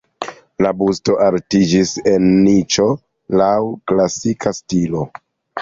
La busto altiĝis en niĉo laŭ klasika stilo.